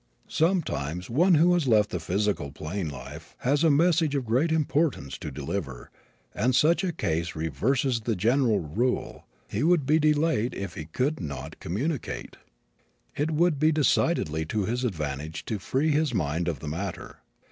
Sometimes one who has left the physical plane life has a message of great importance to deliver and such a case reverses the general rule he would be delayed if he could not communicate. It would be decidedly to his advantage to free his mind of the matter.